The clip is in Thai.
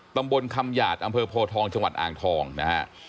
ตำบลคำหยาดอำเภอโพทองจังหวัดอ่างทองนะฮะ